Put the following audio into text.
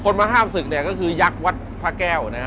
ในบินข้ามศึกก็คือยักษ์วัดพระแก้วนะฮะ